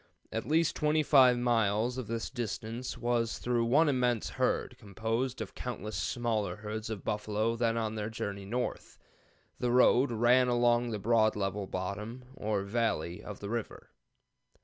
At least 25 miles of this distance was through one immense herd, composed of countless smaller herds of buffalo then on their journey north. The road ran along the broad level 'bottom,' or valley, of the river.